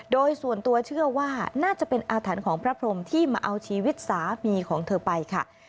โดยส่วนตัวเชื่อว่าน่าจะเป็นอาถรรพ์ของพระพรมที่มาเอาชีวิตสามีของเธอไปค่ะ